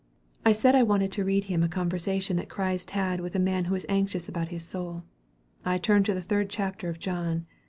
I said I wanted to read him a conversation that Christ had with a man who was anxious about his soul. I turned to the third chapter of John.